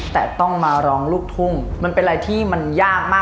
แต่ต้องมาร้องลูกทุ่งมันเป็นอะไรที่มันยากมาก